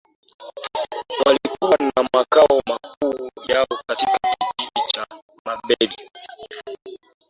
walikuwa na makao makuu yao katika kijiji cha Magbeni